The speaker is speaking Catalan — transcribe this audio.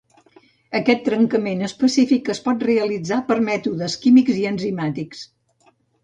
Aquest trencament específic es pot realitzar per mètodes químics i enzimàtics.